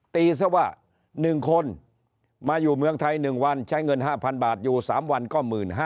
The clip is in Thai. ตีซะว่า๑คนมาอยู่เมืองไทย๑วันใช้เงิน๕๐๐บาทอยู่๓วันก็๑๕๐๐